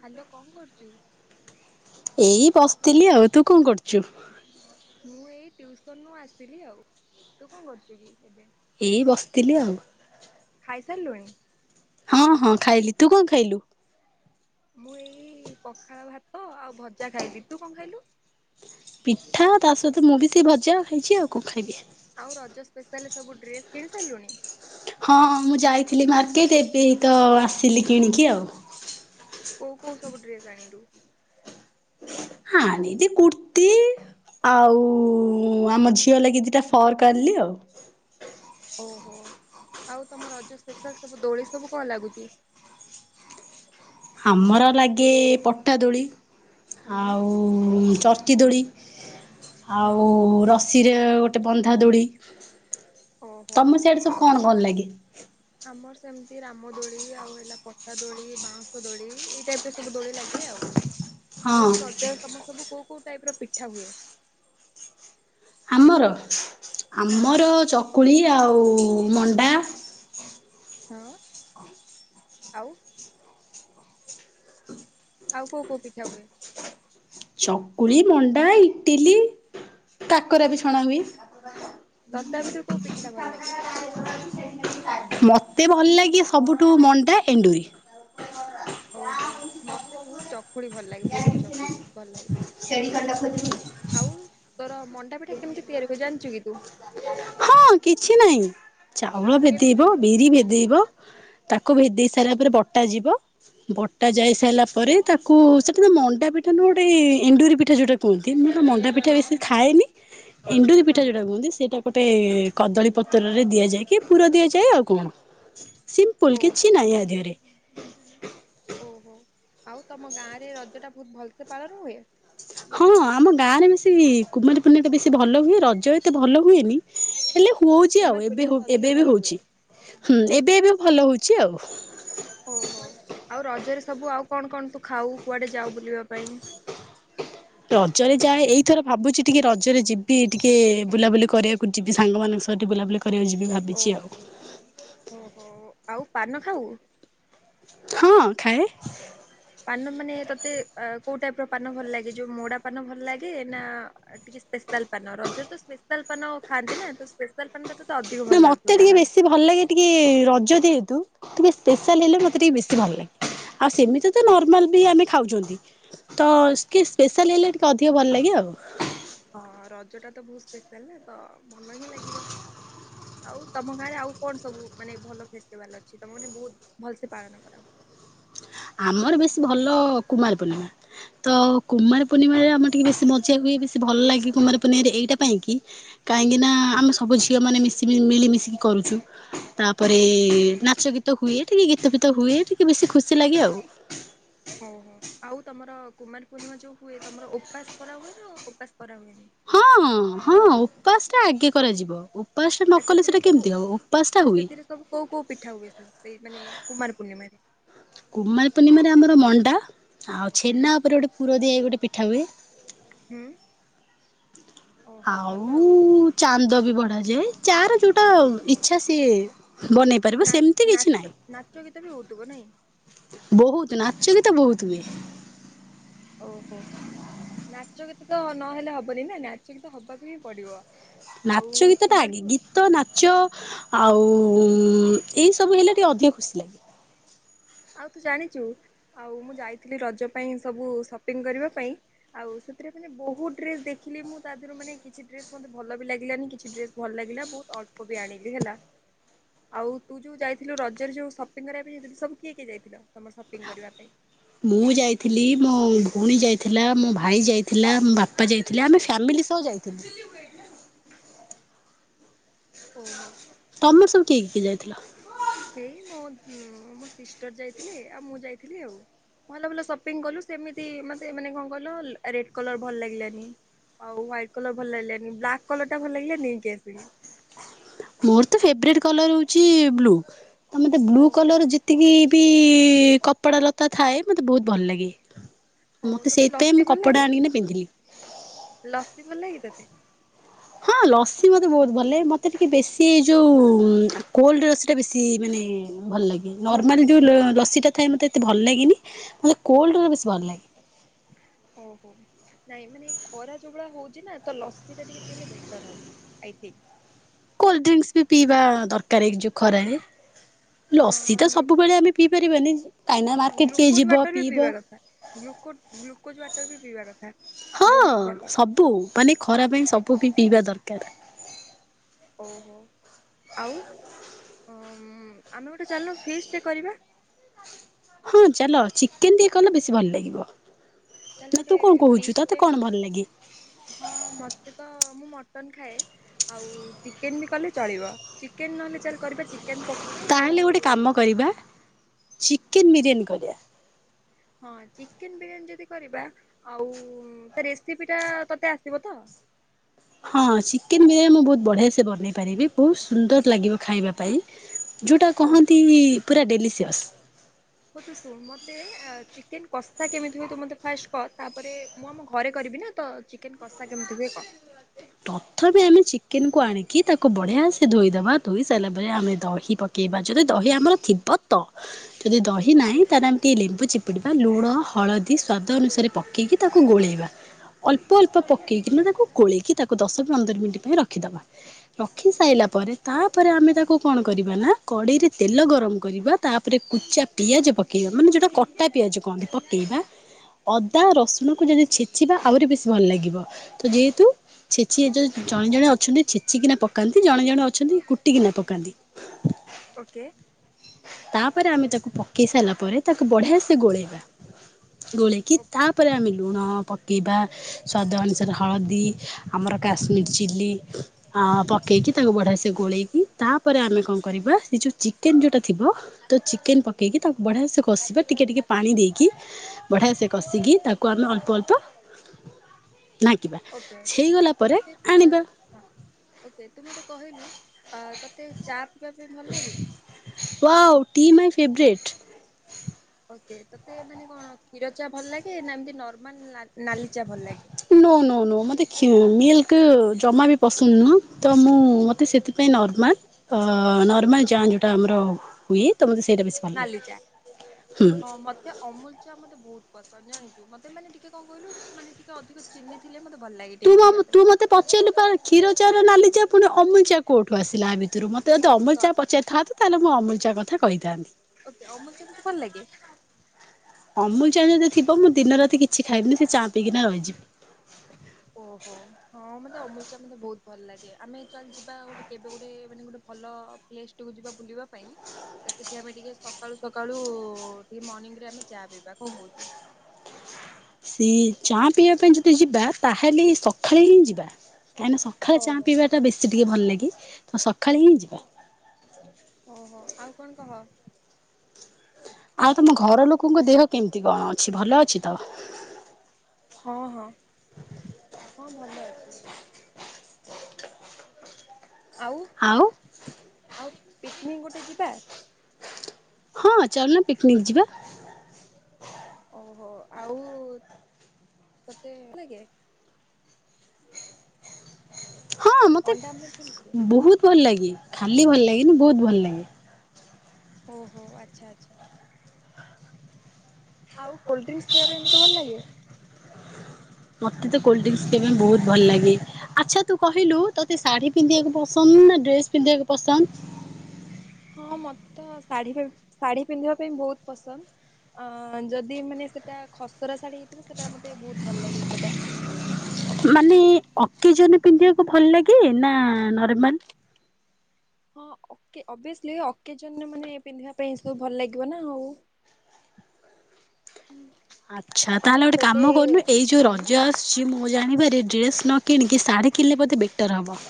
Hello କଣ କରୁଚୁ? ଏଇ ବସିଥିଲି ଆଉ ତୁ କଣ କରୁଚୁ? ମୁଁ ଏଇ ଟ୍ୟଉସନରୁୁ ଆସିଥିଲି ଆଉ ତୁ କଣ କରୁଛୁ କି ଏବେ? ଏଇ ବସିଥିଲି ଆଉ। ଖାଇସାଇଲୁଣି? ହଁ ହଁ ଖାଇଲି ତୁ କଣ ଖାଇଲୁ? ମୁଁ ଏଇ ପଖାଳ ଭାତ ଆଉ ଭଜା ଖାଇଲି ତୁ କଣ ଖାଇଲୁ? ପିଠା ତା ସହିତ ମୁଁ ବି ସେଇ ଭଜା ଖାଇଚି ଆଉ କଣ ଖାଇବି। ଆଉ ରଜ ସ୍ପେଶାଲ ସବୁ ଡ୍ରେସ୍ କିଣି ସାରିଲୁଣି? ହଁ ମୁଁ ଯାଇଥିଲି ମାର୍କେଟ ଏବେ ହେଇ ତ ଆସିଲି କିଣିକି ଆଉ। କୋଉ କୋଉ ସବୁ ଡ୍ରେସ ଆଣିଲୁ? ହାଣିଚି କୁର୍ତ୍ତି ଆଉ ଆମ ଝିଅ ଲାଗି ଦୁଇଟା ଫର୍କ କରିଲି ଆଉ। ଓହୋ ଆଉ ତମ ରଜ ସ୍ପେଶାଲ ସବୁ ଦୋଳି ସବୁ କଣ ଲାଗୁଚି? ଆମର ଲାଗେ ପଟାଦୋଳି ହୁଁ ଆଉ ଚରିକି ଦୋଳି ଆ। ହଁ ସିରେ ଗୋଟେ ବନ୍ଧା ଦୋଡି ଓହୋ। ତମକୁ ସେଆଡେ ସବୁ କଣ ଭଲ ଲାଗେ। ଆମର ସେମିତି ରାମଦୋଳି ଆଉ ହେଲା ପଟା ଦୋଳି ବାଉଁଶ ଦୋଳି ଏଇ ଟାଇପ୍ ରେ ସବୁ ଦୋଳି ଲାଗେ ଆଉ। ହଁ ଆଉ ରଜରେ ସମ ସବୁ କୋଉ କୋଉ ଟାଇପ୍ ର ପିଠା ହୁଏ। ଆମର ହଁ ଆମର ଚକୁଳି ଆଉ ମଣ୍ଡା। ହଁ ଆଉ ଆଉ କୋଉଁ କୋଉଁ ପିଠା ହୁଏ। ଚକୁଳି ମଣ୍ଡା ଇଟିଲି କାକରା ବି ଛଣା ହୁଏ ତତେ ଆ ଭିତରୁ କୋଉ ପିଠାଟା ଭଲ ଲାଗେ। ମତେ ଭଲ ଲାଗେ ସବୁଠୁ ମଣ୍ଡା ଏଣ୍ଡୁରି। ଓହୋ ମତେ ବହୁତ ଚକୁଳି ଭଲ ଲାଗେ ବହୁତ ଚକୁଳି ଭଲ ଲାଗେ ମତେ। ଆଉ ତୋର ମଣ୍ଡା ପିଠା କେମିତି ତିଆରି ହୁଏ ଜାଣିଛୁ କି ତୁ। ହଁ କିଛି ନାହିଁ ଚାଉଳ କେମିତି? ଭେଦେଇବ ବିରି ହୁଁ ଭେଦେଇବ ତାକୁ ଭେଦେଇ ସାରିଲା ପରେ ବଟାଯିବ। ବଟା ଯାଇ ସାରିଲା ପରେ ତାକୁ ସେଟା ତ ମଣ୍ଡା ପିଠା ନୁହେଁ ଗୋଟେ ଇଣ୍ଡୁରି ପିଠା ଯୋଉଟା। କୁହନ୍ତି ମୁଁ ତ ମଣ୍ଡା ପିଠା ହଁ ବେଶୀ ଖାଏନି ଏଣ୍ଡୁରି ହଁ ପିଠା ଯଉଟା କୁହନ୍ତି ସେଇଟା। ଗୋଟେ କଦଳୀ ପତ୍ରରେ ଦିଆଯାଏ କି ପୁର ଦିଆଯାଏ ଆଉ କଣ। ସିମ୍ପୁଲ ଓହୋ କିଛି ନାହିଁ ଆ ଦେହରେ ଓହୋ ଆଉ ତମ ଗାଁରେ ରଜଟା ବହୁତ ଭଲସେ ପାଳନ ହୁଏ। ହଁ ଆମ ଗାଁରେ ବେଶୀ କୁମାର ପୂର୍ଣ୍ଣିମାଟା ବେଶୀ ଭଲ ହୁଏ ରଜ ଏତେ ଭଲ ହୁଏନି ହେଲେ। ହଉଛି କୁମାର ଆଉ ଏବେ ପୂର୍ଣ୍ଣିମା ହ ଟା ଅଧିକା ଏବେ ବି ଭଲ ହୁଏ। ହଉଛି ହୁଁ ଏବେ ଏବେ ଭଲ ହଉଛି ଆଉ। ଓ ହୋ ଆଉ ରଜରେ ସବୁ ଆଉ କଣ କଣ ତୁ ଖାଉ କୁଆଡ଼େ ଯାଉ ବୁଲିବା ପାଇଁ। ରଜରେ ଯାଏ ଏଇଥର ଭାବୁଛି ଟିକେ ରଜରେ ଯିବି ଟିକେ ବୁଲାବୁଲି କରିବାକୁ ଯିବି ସାଙ୍ଗମାନଙ୍କ ସହିତ ବୁଲାବୁଲି। କରିବାକୁ ଯିବି ଓ ଭାବିଛି ଆଉ। ଓହୋ ଆଉ ପାନ ଖାଉ। ହଁ ଖାଏ। ପାନ ମାନେ ତତେ ଅ କୋଉ ଟାଇପର ପାନ ଭଲ ଲାଗେ ଯୋଉ ମୋଡା ପାନ ଭଲ ଲାଗେ ନା ଟିକେ। ସ୍ପେଶାଲ ପାନ ରଜରେ ତ ସ୍ପେଶାଲ ପାନ ଖାଆନ୍ତି ନା ତ ସ୍ପେଶାଲ୍ ପାନଟା ତତେ ଅଧିକ ନା ଭଲ ମତେ ଲାଗୁଥିବ ଟିକେ ଯାହା ଲାଗୁଛି। ବେଶୀ ଭଲ ଲାଗେ ଟିକେ ରଜ ଯେହେତୁ। ଟିକେ ସ୍ପେଶାଲ ହେଲେ ମତେ ଟିକେ ବେଶୀ ଭଲ ଲାଗେ ଆଉ ସେମିତି ତ ନର୍ମାଲ ବି ଆମେ ଖାଉଛନ୍ତି। ତ ସ୍ପେଶାଲ୍ ହେଲେ ଟିକେ ଅଧିକ ଭଲ ଲାଗେ ଆଉ ହଁ ରଜଟା ତ ବହୁତ ସ୍ପେଶାଲ ନା ତ ଭଲ ହିଁ ଲାଗିବ। ଆଉ ତମ ଗାଁରେ ଆଉ କଣ ସବୁ ମାନେ ଭଲ ଫେଷ୍ଟିଭାଲ ଅଛି ତମ ମାନେ ବହୁତ। ଭଲସେ ପାଳନ କର ହୁଏ। ଆମର ବେଶୀ ଭଲ କୁମାର ପୂର୍ଣ୍ଣିମା। ତ କୁମାର ପୂର୍ଣ୍ଣିମାରେ ଆମର ଟିକେ ବେଶୀ ମଜା ହୁଏ ବେଶୀ ଭଲ ଲାଗେ କୁମାର ପୂର୍ଣ୍ଣିମାରେ ଏଇଟା ପାଇଁ କି। କାହିଁକିନା ଆମେ ସବୁ ଝିଅମାନେ ମିଶି ମିଳିମିଶିକି କରୁଛୁ। ତାପରେ ହୁଁ ନାଚ ଗୀତ ହୁଏ ଟିକେ ଗୀତ ଫୀତ ହୁଏ ଟିକେ ବେଶୀ ଖୁସି ଲାଗେ ଆଉ। ହଉ ହୋ ଆଉ ତମର କୁମାର ପୂର୍ଣ୍ଣିମା ଯଉ ହୁଏ ତମର ଉପାସ କରା ହୁଏ ନା ଉପାସ କରା ହୁଏନି। ହଁଁ ହଁ ଉପାସଟା ଆଗେ କରାଯିବ। ଉପାସ ଟା ନ କଲେ ସେଥିରେ ସେଟା ସବୁ କେମିତି ହବ ଉପାସ ଟା ହୁଏ। ସେଥିରେ ସବୁ କୋଉ କୋଉ ପିଠା ହୁଏ ସେଇ ମାନେ କୁମାର ପୂର୍ଣ୍ଣିମାରେ। କୁମାର ପୂର୍ଣ୍ଣିମାରେ ଆମର ମଣ୍ଡା ଆଉ ହୁଁ ଛେନା ଉପରେ ଗୋଟେ ପୁର ଦିଆ ଗୋଟେ ପିଠା ହୁଏ। ହୁଁ। ଓହୋ ଆଉ ଭଲ ଉ। ଚାନ୍ଦ ବି ବଢ଼ାଯାଏ ଯାର ଯୋଉଟା ଇଚ୍ଛା ସିଏ ବନେଇ। ପାରିବ ନା ସେମିତି କିଛି ନାଚ ନାହିଁ ନାଚ ଗୀତ ବି ହଉଥିବ ନାଇଁ? ବହୁତ ନାଚ ଗୀତ ବହୁତ ହୁଏ। ଓହୋ। ନାଚ ଗୀତ ତ ନହେଲେ ହବନି ନା ନାଚ ଗୀତ ହବାକୁ ହିଁ ପଡିବ। ଆଉ ନାଚ ଗୀତଟା ଆଗେ କୁମାର ଗୀତ ନାଚ ଆଉ ଏଇସବୁ ହେଲେ ଟିକେ ଅଧିକ ଖୁସି ଲାଗେ। ଆଉ ତୁ ଜାଣିଛୁ ଆଉ ମୁଁ ଯାଇଥିଲି ରଜ ପାଇଁ ସବୁ ସପିଙ୍ଗ କରିବା ପାଇଁ ଆଉ ସେଥିରେ ମାନେ ବହୁତ ଡ୍ରେସ ଦେଖିଲି ମୁଁ ତା ଦେହରୁ ମାନେ କିଛି ଡ୍ରେସ ମତେ ଭଲ ବି ଲାଗିଲାନି କିଛି ଡ୍ରେସ ଭଲ ଲାଗିଲା ବହୁତ ଅଳ୍ପ ବି ଆଣିକି ହେଲା। ଆଉ ତୁ ଯୋଉ ଯାଇଥିଲୁ ରଜରେ ଯୋଉ ସପିଙ୍ଗ କରିବା ପାଇଁ ଯାଇଥିଲୁ ସବୁ କିଏ କିଏ ଯାଇଥିଲ ତମର ସପିଙ୍ଗ କରିବା ପାଇଁ? ମୁଁ ଯାଇଥିଲି ମୋ ଭଉଣୀ ଯାଇଥିଲା ମୋ ଭାଇ ଯାଇଥିଲା ମୋ ବାପା ଯାଇ ଥିଲା ଆମେ ଫ୍ୟାମିଲି ସହ ଯାଇଥିଲୁ। ଓହୋ ତମେ ସବୁ କିଏ କି କିଏ ଯାଇଥିଲ? ହେଇ ମୋ ମୋ ସିଷ୍ଟର ଯାଇଥିଲେ ଆଉ ମୁଁ ଯାଇଥିଲି ଆଉ ଭଲ ଭଲ ସପିଙ୍ଗ କଲୁ ସେମିତି ମୋତେ ମାନେ କଣ କଲ ରେଡ କଲର ଭଲ ଲାଗିଲାନି। ଆଉ ହ୍ୱାଇଟ କଲର ଭଲ ଲାଗିଲାନି ବ୍ଲାକ୍ କଲର ଟା ଭଲ ଲାଗିଲା ନେଇକି ଆସିଲି। ମୋର ତ ଫେବରଟ କଲର ହଉଛି ବ୍ଲୁ ତ ମତେ ବ୍ଲୁ ଓହୋ କଲର ଯେତିକି ବି କପଡ଼ା ଲତା ଥାଏ ମତେ ବହୁତ ଭଲ ଲାଗେ। ହଉ ମତେ ତୋତେ ସେଇଥିପାଇଁ ଲସି ମୁଁ କପଡ଼ା ଆଣିକି ପିନ୍ଧିଲି। ଲସ୍ମୀ ଭଲ ଲାଗେ ତତେ? ହଁ ଲସି ମତେ ବହୁତ ଭଲ ମତେ ଟିକେ ବେଶୀ ଏଇ ଯୋଉ କୋଲଡ ଲସିଟା ବେଶୀ ମାନେ ଭଲ ଲାଗେ ଭଲ ନର୍ମାଲ ଲାଗେ ଯୋଉ ଲସିଟା ଥାଏ ମତେ ଏତେ ଭଲ ଲାଗେନି ମତେ କୋଲଡ ବେଶି ଭଲ ଲାଗେ। ଓହୋ। ନାଇଁ ମାନେ ଖରା ଯୋଉ ଭଳିଆ ହଉଛି ନା ତ ଲସିଟା ଟିକେ ପିଇଲେ better I think. Cold drinks ବି ପିଇବା ଦରକାର ଏ ଯୋଉ ଖରାରେ ଲସି ହଁ ତ ଗ୍ଲୁ ସବୁବେଳେ ଆମେ ପିଇ ପାରିବନି କାହିଁକି ନା ହଁ ମାର୍କେଟ କେ ଗ୍ଲୁକୋଜ ଯିବ ୱାଟର ବି ପିଇବା ପିଇବ? କଥା। ଗ୍ଲୁକୋ ଗ୍ଲୁକୋଜ୍ ୱାଟର ବି ପିଇବା କଥା। ହଁ ବହୁତ ଭଲ ସବୁ ମାନେ ଖରା ପାଇଁ ସବୁ ବି ପିଇବା ଦରକାର। ଓହୋ ଆଉ ଆମେ ଗୋଟେ ଚାଲିଲୁ ଫିସ୍ ଟେ କରିବା। ହଁ ଚାଲ ଚିକେନ ଟିକେ କଲେ ବେଶୀ ଭଲ ଲାଗିବ। ଚାଲି ନା ଗୋଟେ ତୁ କଣ କହୁଛୁ ଫିଷ୍ଟ ଟେ ତତେ କଣ ଭଲ ଲାଗେ? ହଁ ମତେ ତ ମୁଁ ମଟନ ଖାଏ। ଆଉ ଚିକେନ ବି କଲେ ଚଳିବ ଚିକେନ ନହେଲେ ଚା କରିବା ଚିକେନ ପ ତାହେଲେ ଗୋଟେ କାମ କରିବା ଚିକେନ ବିରିୟାନୀ କରିବା। ହଁ ଚିକେନ ବିରିୟାନୀ ଯଦି କରିବା ଆଉ ରେସିପି ଟା ତୋତେ ଆସିବ ତ? ହଁ ଚିକେନ ବିରିୟାନି ମୁଁ ବହୁତ ବଢିଆ ସେ ବନେଇ ପାରିବି ବହୁତ ସୁନ୍ଦର ଲାଗିବ ଖାଇବା ପାଇଁ ହଉ ତୁ ଯୋଉଟା ଶୁଣ ଶୁଣ କହନ୍ତି ପୁରା ଡେଲିସିଅସ୍। ହ ତୁ ଶୁଣ ମତେ ଚିକେନ କସ୍ତା କେମିତି ହୁଏ ତୁ ମତେ ଫାଷ୍ଟ କ ତାପରେ ମୁଁ ଆମ ଘରେ କରିବି ନା ତ ଚିକେନ କସ୍ତା କେମିତି ହୁଏ କଣ? ପ୍ରଥମେ ଆମେ ଚିକେନକୁ ଆଣିକି ତାକୁ ବଢିଆ ସେ ଧୋଇଦବା ଧୋଇ ସାରିଲା ପରେ ଆମେ ଦହି ପେଇ ପକେଇବା ଯଦି ଦହି ଆମର ଥିବ ତ? ଯଦି ଦହି ନାଇଁ ଓକେ ତାହେଲେ ଆମେ ଟିକେ ଲେମ୍ବୁ ଚିପ ଲୁଣ ହଳଦୀ ସ୍ଵାଦ ଅନୁସାରେ ପକେଇକି ତାକୁ ଗୋଳେଇବା। ଅଳ୍ପ-ଅଳ୍ପ ପକେଇକିନା ତାକୁ ଗୋଳେଇକି ତାକୁ ଦଶ ପନ୍ଦର ମିନିଟ୍ ପାଇଁ ରଖିଦବ। ରଖି ସାରିଲା ପରେ ତାପରେ ଆମେ ତାକୁ କଣ କରିବା ନା କଡ଼େଇରେ ତେଲ ଗରମ୍ କରିବା ତାପରେ କୁଚା ପିଆଜ ପକେଇବା, ମାନେ ଯୋଉଟା କଟା ପିଆଜ କହନ୍ତି ପକେଇବା। ଅଦା ରସୁଣକୁ ଯଦି ଛେଚିବା ଆହୁରି ବେଶୀ ଭଲ୍ ଲାଗିବ, ତ ଯେହେତୁ ଛେଚି ଏ [unintelligible] ଜଣେ-ଜଣେ ଅଛନ୍ତି ଛେଚିକିନା ପକାନ୍ତି, ଜଣେ-ଜଣେ ଅଛନ୍ତି କୁଟିକିନା ପକାନ୍ତି। ଓକେ। ତାପରେ ଆମେ ତାକୁ ପକେଇ ସାରିଲା ପରେ ତାକୁ ବଢିଆ ସେ ଗୋଳେଇବା, ଗୋଳେଇ କି ଓକେ ତାପରେ ଆମେ ଲୁଣ ପକାଇବା, ସ୍ୱାଦ ଅନୁସାରେ ହଳଦୀ ଆମର କାଶ୍ମୀର ଚିଲି ଆ ପକେଇକି ତାକୁ ବଢିଆ ସେ ଗୋଳେଇକି ତାପରେ ଆମେ କଣ କରିବା ସେ ଯୋଉ ଚିକେନ୍ ଯୋଉଟା ଥିବ ତ ଚିକେନ୍ ପକେଇକି ତାକୁ ବଢିଆ ସେ କଷିବ ଟିକେ-ଟିକେ ପାଣି ଦେଇକି ବଢଆ ସେ କଷିକି ତାକୁ ଆମେ ଅଳ୍ପ-ଅଳ୍ପ ନାଙ୍କିବା, ହେଇଗଲା ପରେ ଆଣିବା। ହଁ ଓକେ, ତୁ ମତେ କହିଲୁ ଆ ତତେ ଚା ପିଇବା ପାଇଁ ଭଲ୍ ଲାଗେ? Wow, tea my favourite. Okay ତତେ ମାନେ କଣ କ୍ଷୀର ଚା ଭଲ ଲାଗେ ନା ଏମ୍ତି ନର୍ମାଲ ନାଲି ଚା ଭଲ ଲାଗେ? ନୋ-ନୋ-ନୋ ମତେ କ୍ଷୀ ମିଲ୍କ ଜମା ବି ପସନ୍ଦ ନୁହଁ, ତ ମୁଁ ମତେ ସେଥିପାଇଁ ନର୍ମାଲ୍ ଅ ନର୍ମାଲ୍ ଚା ଯୋଉଟା ଆମର ହୁଏ, ତ ମତେ ସେଇଟା ବେଶୀ ଭଲ ଲାଗେ ନାଲି ଚା ହୁଁ ହଁ ମ ସେ ଅମୁଲ୍ ଚା ମତେ ବହୁତ୍ ପସନ୍ଦ ଜାଣିଚୁ, ମତେ ମାନେ ଟିକେ କଣ କହିଲୁ ମାନେ ଟିକେ ଅଧିକ ଚିନି ଥିଲେ ମତେ ଭଲ୍ ଲାଗେ ତୁ ଟିକେ ପିଇବା ତୁ ପାଇଁ। ମୋତେ ପଚାରିଲୁ ପା କ୍ଷୀର ଚା ନା ନାଲି ଚା ପୁଣି ଅମୁଚା କୋଉଠୁ ଆସିଲା ଆ ଭିତୁରୁ ମ ତେ ଓ ଯଦି ଅମୁଲ୍ ଚା ସରି ପଚାରିଥାନ୍ତୁ, ତାହେଲେ ମୁଁ ଅମୁଲ୍ ଚା କଥା କହିଥାନ୍ତି। ଓକେ, ଅମୁଲ୍ ଚା ତତେ ଭଲ୍ ଲାଗେ? ଅମୁଲ୍ ଚା ଯଦି ଥିବ, ମୁଁ ଦିନ ରାତି କିଛି ଖାଇବିନି ସେ ଚା ପିଇକିନା ରହିଯିବି। ଓହୋ। ହଁ ମତେ ଅମୁଲ୍ ଚା ମତେ ବହୁତ୍ ଭଲ୍ ଲାଗେ, ଆମେ ଚାଲ୍ ଯିବା ଗୋଟେ କେବେ ଗୋଟେ ମାନେ ଗୋଟେ ଭଲ ପ୍ଲେସ୍ ଟେ କୁ ଯିବା ବୁଲିବା ପାଇଁ। ତ ସେଠି ଆମେ ଟିକେ ସକାଳୁ-ସକାଳୁ ଟିକେ ମର୍ଣ୍ଣିିଂରେ ଆମେ ଚା ପିଇବା, କଣ କହୁଚୁ? ସେ ଚା ପିଇବା ପାଇଁ ଯଦି ଯିବା ତାହେଲେ ସକାଳେ ହିଁ ଯିବା, କାଇଁନା ସ ଖାଳେ ଚା ଓହୋ ପିଇବାଟା ବେଶୀ ଟିକେ ଭଲ୍ ଲାଗେ, ତ ସଖାଳେ ହିଁ ଯିବା। ଓହୋ, ଆଉ କଣ କହ? ଆଉ ତମ ଘର ଲୋକଙ୍କ ଦେହ କେମ୍ତି କଣ ଅଛି, ଭଲ ଅଛି ତ? ହଁ-ହଁ-ହଁ ଭଲ ଅଛି। ଆଉ, ଆଉ ପିକ୍ନିକ୍ ଗୋଟେ ଯିବା? ହଁ ଚାଲୁନା ପିକ୍ନିକ୍ ଯିବା। ଓହୋ, ଆଉ ତତେ [unintelligible] ଲାଗେ? ହଁ ମତେ ଅଣ୍ଡା ଆମଲେଟ ଭଲ ଲାଗେ ବହୁତ୍ ଭଲ୍ ଲାଗେ, ଖାଲି ଭଲ ଲାଗେନି ବହୁତ୍ ଭଲ୍ ଲାଗେ। ଓହୋ, ଆଚ୍ଛା-ଆଚ୍ଛା। ଆଉ କୋଲଡ୍ରିଙ୍କସ୍ ପିିଇବା ପାଇଁ ମତେ ଭଲ୍ ଲାଗେ। ମତେ ତ କୋଲଡ୍ରିଙ୍କସ୍ ପାଇିବାବା ପାଇଁ ବହୁତ୍ ଭଲ୍ ଲାଗେ। ଆଚ୍ଛା ତୁ କହିଲୁ ତୋତେ ଶାଢ଼ୀ ପିନ୍ଧିବାକୁ ପସନ୍ଦ ନା ଡ୍ରେସ୍ ପିନ୍ଧିବାକୁ ପସନ୍ଦ? ହଁ ମତେ ତ ଶାଢ଼ୀ-ଶାଢ଼ୀ ପିନ୍ଧିବା ପାଇଁ ବହୁତ୍ ପସନ୍ଦ। ଆ ଯଦି ମାନେ ସେଟା ଖସରା ଶାଢୀ ହେଇଥିବ, ସେଟା ମତେ ବହୁତ୍ ଭଲ ଲାଗିବ ସେଇଟା। ମାନେ ଅକେଜନ ପିନ୍ଧିବାକୁ ଭଲ ଲାଗେ ନା ନର୍ମାଲ ହଁ ଅବ୍ୟସ୍ଲି ଅକେଜନ ମାନେ ପିନ୍ଧିବା ପାଇଁ ସବୁ ଭଲ ଲାଗିବ ନା ଆଉ ହୁଁ ଆଚ୍ଛା ତାହେଲେ ଗୋଟେ କାମ କରୁନୁ ଏଇ ଯୋଉ ହୁଁ। ରଜ ଆ ମୁଁ ଜାଣିବାର ଡ୍ରେସ ନ କିଣିକି ସାଢେ କିଣିଲେ ବୋଧେ ବେଟର ହବ।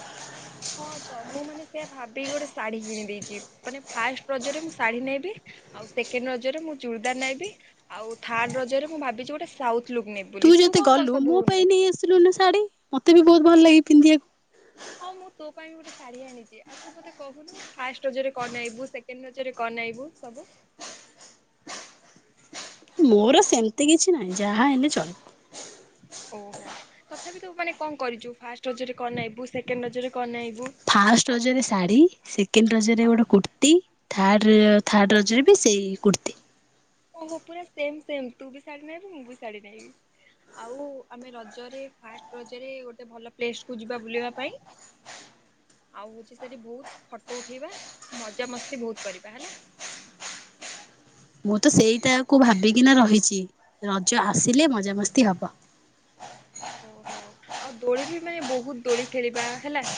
ହଁ ତ ମୁଁ ମାନେ ସେଆ ଭାବିକି ଗୋଟେ ଶାଢ଼ୀ କିଣିଦେଇଛି। ମାନେ ଫାଷ୍ଟ ରଜରେ ମୁଁ ଶାଢୀ ନେବି ଆଉ ସେକେଣ୍ଡ ରଜରେ ମୁଁ ଚୁଡ଼ିଦାର ନେବି। ଆଉ ଥାର୍ଡ ରଜରେ ମୁଁ ଭାବିଛି ଗୋଟେ ସାଉଥ ଲୁକ୍ ନେବି ବୋଲି ତୁ କଣ କଣ ସବୁ ନଇ? ଶାଢୀ ମତେ ବି ବହୁତ ଭଲ ଲାଗେ ପିନ୍ଧିବାକୁ। ହଁ ମୁଁ ତୋ ପାଇଁ ବି ଗୋଟେ ଶାଢ଼ୀ ଆଣିଛି ଆଉ ତୁ ମତେ କହୁନୁ ଫାଷ୍ଟ ରଜରେ କଣ ନାଇବୁ ସେକଣ୍ଡ ରାଜରେ କନେଇବୁ ସବୁ ମୋର ସେମିତି କିଛି ନାହିଁ ଯାହା ହେଲେ ଚଳିବ। ଓହୋ ତଥାପି ତୁ ମାନେ କଣ କରିଛୁ ଫାଷ୍ଟ ରଜରେ କଣ ନାଇବୁ ସେକେଣ୍ଡ ରଜରେ କଣ ନାଇବୁ? ଫାଷ୍ଟ ରଜରେ ଶାଢ଼ୀ ସେକେଣ୍ଡ ରଜରେ ହଁ ଗୋଟେ କୁର୍ତ୍ତ ହୁଁ ଥାର୍ଡ଼ ଥାର୍ଡ଼ ରଜରେ ବି ସେଇ କୁର୍ତ୍ତି ଓୋ ପୁରା ସେମ ସେମ ତୁ ବି ଶାଢ଼ୀ ନାଇବୁ ମୁଁ ବି ଶାଢ଼ୀ ନାଇବି। ଆଉ ଆମେ ରଜରେ ଫାଷ୍ଟ ରଜରେ ଗୋଟେ ଭଲ ପ୍ଲେସ କୁ ଯିବା ବୁଲିବା ପାଇଁ। ଆଉ ହଉଛି ସେଠୀ ବହୁତ ଫଟୋ ଉଠେଇବା ମଜା ମସ୍ତି ବହୁତ କରିବା ହେଲା। ମୁଁ ତ ସେଇଟାକୁ ଭାବିକିନା ରହିଛି ରଜ ଆସିଲେ ମଜାମସ୍ତି ହବ। ଓହୋ ଆଉ ଦୋଳି ବି ମାନେ ବହୁତ ଦୋଳି ଖେଳିବା ହେଲା।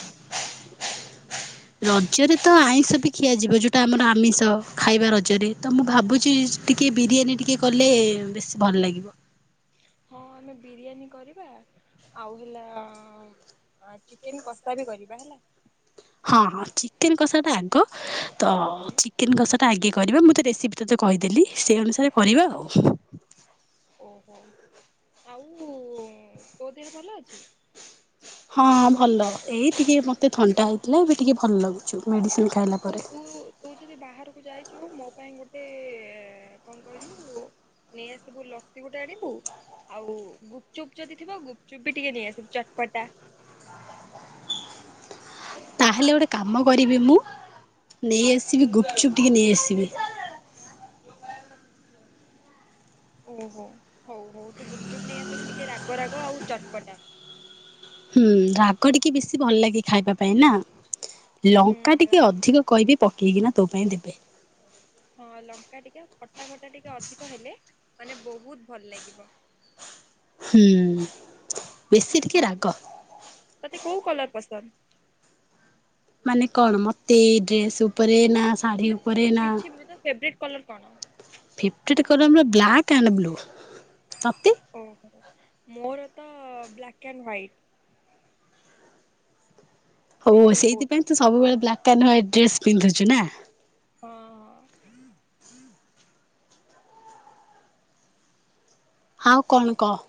ରଜରେ ତ ଆଇଁଷ ବି ଖିଆଯିବ ଯେଉଁଟା ଆମର ଆମିଷ ଖାଇବା ରଜରେ ତ ମୁଁ ଭାବୁଛି। ଟିକେ ବିରିୟାନୀ ଟିକେ କଲେ ବେଶୀ ଭଲ ଲାଗିବ। ହଁ ଆମେ ବିରିୟାନୀ କରିବା ଆଉ ହେଲା। ହଁ ଚିକେନ କଷା ବି କରିବା ହେଲା। ହଁ ଚିକେନ କଷା ଟା ଆଗ ତ ଚିକେନ କଷା ଟା ଆଗେ କରିବା ମୁଁ ତ ରେସିପି ତୋତେ କହିଦେଲି ସେଇ ଅନୁସାରେ କରିବା ଆଉ। ଓହୋ ଆଉ ତୋ ଦେହ ଭଲ ଅଛି? ହଁ ଭଲ ଏଇ ଟିକେ ମତେ ଥଣ୍ଡା ହେଇଥିଲା ଏବେ ଟିକେ ଭଲ ଲାଗୁଚ ମେଡିସିନ ଖା ହଉ ତୁ ତୁ ଯଦି ବାହାରକୁ ଯାଇଛୁ ମୋ ପାଇଁ ଗୋଟେ କଣ କହିଲୁ। ନେଇ ଆସିବୁ ଲସି ଗୋଟେ ଆଣିବୁ। ଆଉ ଗୁପଚୁପ୍ ଯଦିଥିବ ଗୁପଚୁପ୍ ବି ଟିକେ ନେଇଆସିବୁ ଚାଟ୍ ପଟା। ତା ହେଲେ ଗୋଟେ କାମ କରିବି ମୁଁ ନେଇ ଆସିବି ଗୁପଚୁପ୍ ଟିକେ ନେଇଆସିବି। ଓହୋ ହଉ ହଉ ତୁ ଗୁପଚୁପ୍ ନେଇ ଆସିବୁ ଟିକେ ରାଗ ରାଗ ଆଉ ଚଟପଟା। ହୁଁ ରାଗ ଟିକେ ବେଶୀ ଭଲ ଲାଗେ ଖାଇବା ପାଇଁ ନା ହୁଁ ଲଙ୍କା ରା ଟିକେ ଅଧିକ କହିବି ପକେଇକିନା ତୋ ପାଇଁ ଦେବେ। ହଁ ଲଙ୍କା ଟିକେ ଖଟା ଖଟା ଟିକେ ଅଧିକ ହେଲେ ମାନେ ବହୁତ ଭଲ ଲାଗିବ। ହୁଁ ବେଶୀ ଟିକେ ହଁ ରାଗ। ତତେ କୋଉ କଲର ପସନ୍ଦ? ମାନେ କଣ ମତେ ଡ୍ରେସ ଉପରେ ନା ଶାଢ଼ୀ ଉପରେ ନା ଫେବ୍ରାଇଟ କଲର କଣ? ଫେବ୍ରେଇଟି କଲର ମୋର ବ୍ଲାକ୍ ଆଣ୍ଡ ବ୍ଲୁ ତତେ? ଓ ମୋର ତ ବ୍ଲାକ୍ ଆଣ୍ଡ ହ୍ଵାଇଟ୍। ହଉ ସେଇଟା ମୋତେ ବହୁତ ସେଇଥିପାଈ ତ ପସନ୍ଦ ସବୁବେଳେ ବ୍ଲାକ୍ ଆଣ୍ଡ ହ୍ବିଟି ଡ୍ରେସ୍ ପିନ୍ଧୁଛୁ ନା। ହଁ ହଁ। ଆଉ କଣ କହ?